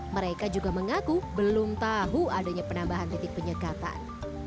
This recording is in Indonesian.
mereka juga mengaku belum tahu adanya penambahan titik penyekatan